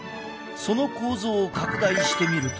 その構造を拡大してみると。